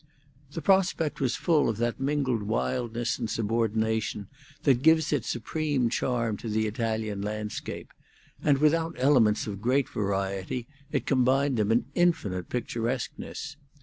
The prospect was full of that mingled wildness and subordination that gives its supreme charm to the Italian landscape; and without elements of great variety, it combined them in infinite picturesqueness.